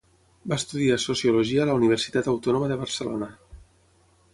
Va estudiar sociologia a la Universitat Autònoma de Barcelona.